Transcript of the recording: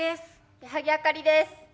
矢作あかりです。